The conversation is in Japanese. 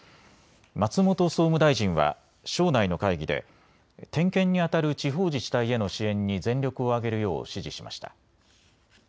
松本総務大臣は省内の会議で点検にあたる地方自治体への支援に全力を挙げるよう指示しました。